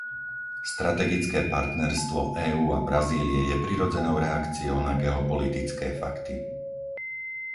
Strategické partnerstvo EÚ a Brazílie je prirodzenou reakciou na geopolitické fakty.